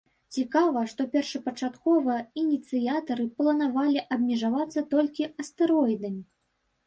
Цікава, што першапачаткова ініцыятары планавалі абмежавацца толькі астэроідамі.